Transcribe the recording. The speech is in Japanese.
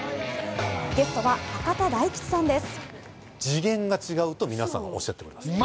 ゲストは博多大吉さんです。